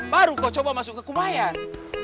baru kau coba masuk ke kumain